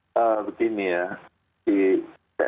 seperti ini ya